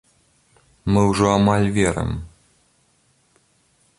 Мы ўжо амаль верым.